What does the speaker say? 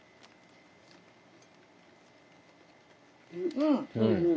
うん。